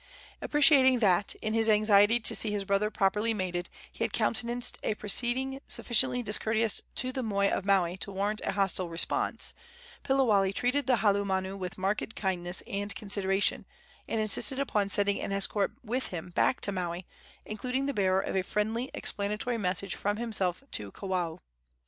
Appreciating that, in his anxiety to see his brother properly mated, he had countenanced a proceeding sufficiently discourteous to the moi of Maui to warrant a hostile response, Piliwale treated the halumanu with marked kindness and consideration, and insisted upon sending an escort with him back to Maui, including the bearer of a friendly explanatory message from himself to Kawao.